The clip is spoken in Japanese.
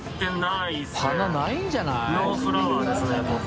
いないんじゃない？